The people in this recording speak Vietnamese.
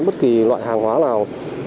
bất kỳ loại hàng hóa nào